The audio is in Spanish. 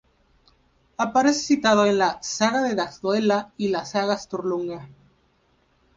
Aparece citado en la "saga de Laxdœla", y la "saga Sturlunga".